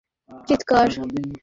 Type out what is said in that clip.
ওর চিৎকার এখনও কানে ভাসছে!